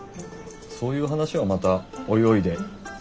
そういう話はまたおいおいで。